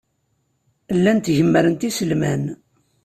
Llant gemmrent iselman.